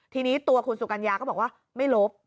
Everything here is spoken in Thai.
ทีนี้ตัวคุณสุกัญญาก็บอกว่าไม่ลบ